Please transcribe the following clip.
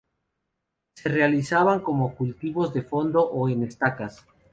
Se realizaban como cultivos de fondo o en estacas.